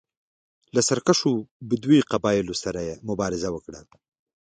له سرکښو بدوي قبایلو سره یې مبارزه وکړه.